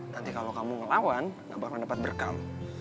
nanti kalo kamu ngelawan gak bakalan dapat berkam